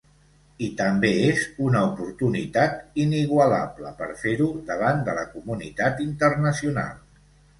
I també és una oportunitat inigualable per fer-ho davant de la comunitat internacional.